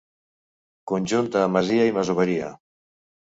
Conjunt de masia i masoveria.